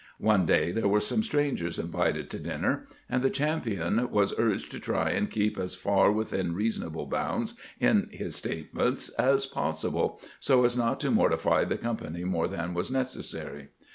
One day there were some strangers invited to dinner, and the champion was urged to try and keep as far within rea sonable bounds in his statements as possible, so as not to mortify the company more than was necessary.